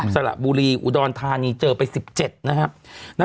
สระบุรีอุดรธานีเจอไป๑๗นะครับ